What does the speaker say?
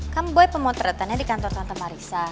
kan boy pemotretannya di kantor kantor marissa